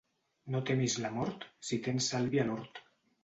No temis la mort si tens sàlvia a l'hort.